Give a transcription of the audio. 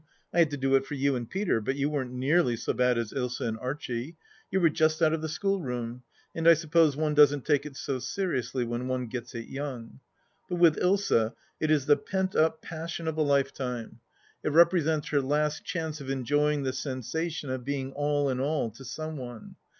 I had to do it for you and Peter, but you weren't nearly so bad as Ilsa and Archie. You were just out of the schoolroom, and I suppose one doesn't take it so seriously when one gets it young. But with Ilsa it is the pent up passion of a lifetime. It represents her last chance of enjoying the sensation of being all in all to some one.